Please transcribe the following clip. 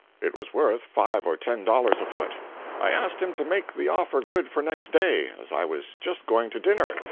It was worth five or ten dollars a foot. I asked him to make the offer good for next day, as I was just going to dinner.